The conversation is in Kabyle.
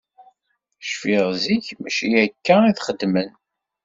Cfiɣ zik mačči akka i t-xeddmen.